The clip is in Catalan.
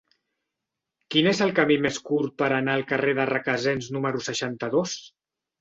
Quin és el camí més curt per anar al carrer de Requesens número seixanta-dos?